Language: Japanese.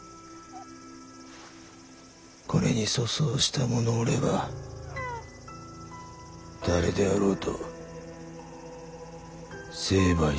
これに粗相した者おれば誰であろうと成敗してよい。